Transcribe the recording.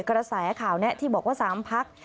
กระแสข่าวนี้ที่บอกว่า๓พัก